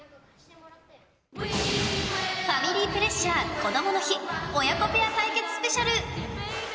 ファミリープレッシャーこどもの日親子ペア対決スペシャル。